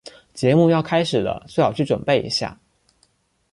节目要开始了，最好去准备一下。